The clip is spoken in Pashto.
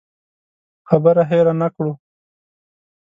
خبره هېره نه کړو.